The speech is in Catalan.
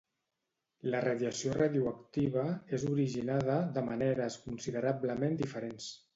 La radiació radioactiva és originada de maneres considerablement diferents.